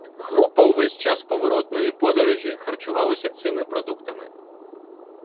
Група увесь час поворотної подорожі харчувалася цими продуктами».